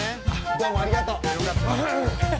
どうもありがとう。